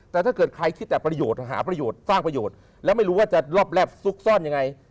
แต่ถ้าเกิดใครคิดแต่ประโยชน์หาประโยชน์สร้างประโยชน์แล้วไม่รู้ว่าจะรอบแรบซุกซ่อนยังไง